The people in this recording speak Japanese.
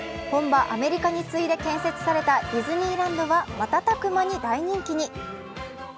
本場アメリカに次いで建設されたディズニーランドは瞬く間に大人気に。